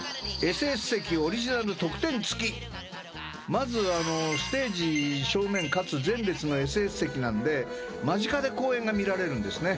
まずステージ正面かつ前列のＳＳ席なんで間近で公演が見られるんですね。